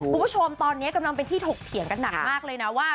คุณผู้ชมตอนนี้กำลังเป็นที่ถกเถียงกันหนักมากเลยนะว่า